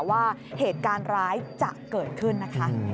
ว่าเหตุการณ์ร้ายจะเกิดขึ้นนะคะ